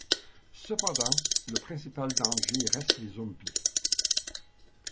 Cependant, le principal danger reste les zombies.